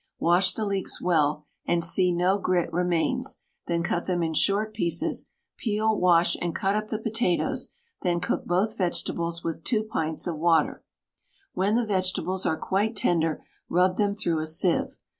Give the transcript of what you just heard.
Wash the leeks well, and see no grit remains, then cut them in short pieces. Peel, wash, and cut up the potatoes, then cook both vegetables with 2 pints of water. When the vegetables are quite tender, rub them through a sieve.